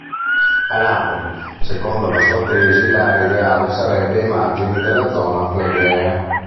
A Napoli, secondo la sua tesi, l'area ideale sarebbe ai margini della zona Flegrea.